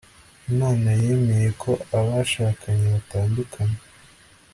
imana yemeye ko abashakanye batandukana